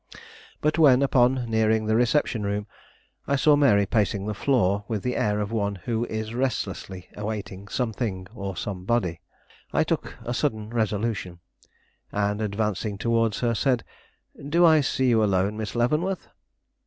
But when, upon nearing the reception room, I saw Mary pacing the floor with the air of one who is restlessly awaiting something or somebody, I took a sudden resolution, and, advancing towards her, said: "Do I see you alone, Miss Leavenworth?"